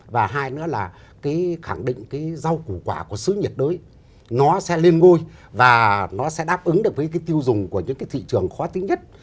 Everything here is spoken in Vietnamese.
và hai nữa là cái khẳng định cái rau củ quả của sứ nhiệt đối nó sẽ lên ngôi và nó sẽ đáp ứng được với cái tiêu dùng của những cái thị trường khó tính nhất